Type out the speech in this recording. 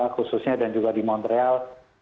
khususnya dan juga di montreal